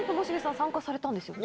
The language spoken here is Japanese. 参加されたんですよね？